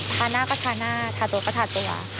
ทาหน้าก็ทาหน้าทาตัวก็ทาตัว